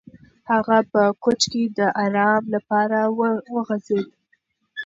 هغه په کوچ کې د ارام لپاره وغځېد.